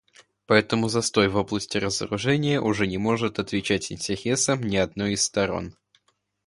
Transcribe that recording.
Поэтому застой в области разоружения уже не может отвечать интересам ни одной из сторон.